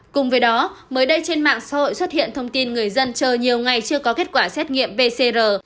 cùng với đó mới đây trên mạng xã hội xuất hiện thông tin người dân chờ nhiều ngày chưa có kết quả xét nghiệm pcr